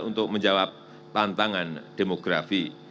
untuk menjawab tantangan demografi